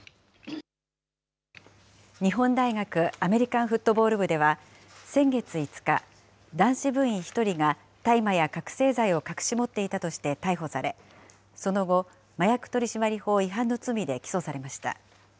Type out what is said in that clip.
日本大学アメリカンフットボール部では、先月５日、男子部員１人が大麻や覚醒剤を隠し持っていたとして逮捕され、その後、麻薬取締法違反の罪で起訴されました。